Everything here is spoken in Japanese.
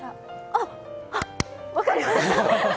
あっ、分かりました！